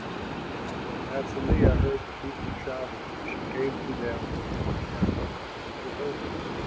But when Athaliah heard the people shouting, she came to them in the temple of Jehovah.